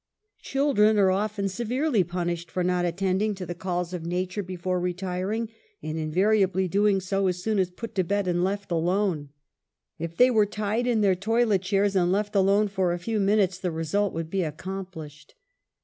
Children are often severely punished for not attend ing to the calls of nature before retiring, and invariably doing so as soon as put to bed and left alone. If they were entirely alone. 12 UNMASKED. were tied in their toilet chairs and left alone for a few minutes the result would be accomplished.